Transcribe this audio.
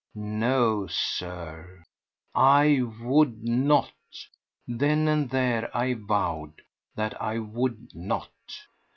No, Sir; I would not! Then and there I vowed that I would not!